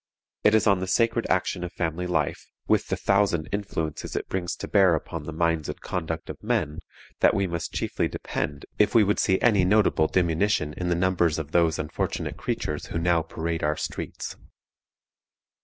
It is on the sacred action of family life, with the thousand influences it brings to bear upon the minds and conduct of men, that we must chiefly depend if we would see any notable diminution in the numbers of those unfortunate creatures who now parade our streets.